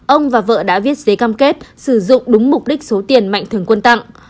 ông và vợ đã viết giấy cam kết sử dụng đúng mục đích số tiền mạnh thường quân tặng